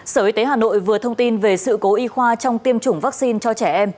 sở y tế hà nội vừa thông tin về sự cố y khoa trong tiêm chủng vaccine cho trẻ em